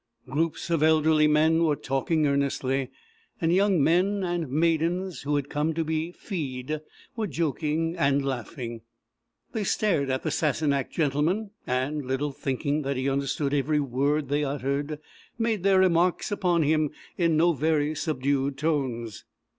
Groups of elderly men were talking earnestly; and young men and maidens who had come to be fee'd, were joking and laughing. They stared at the Sassenach gentleman, and, little thinking that he understood every word they uttered, made their remarks upon him in no very subdued tones.